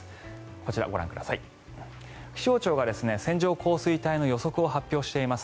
こちら、気象庁が線状降水帯の予測を発表しています。